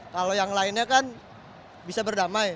kalau yang lainnya kan bisa berdamai